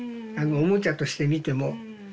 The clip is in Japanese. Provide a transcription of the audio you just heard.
あのおもちゃとして見ても。